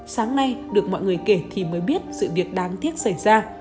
sáng nay được mọi người kể thì mới biết sự việc đáng tiếc xảy ra